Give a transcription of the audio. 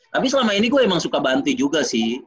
tapi selama ini gue emang suka bantu juga sih